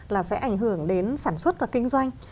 là sẽ ảnh hưởng đến sản xuất và kinh doanh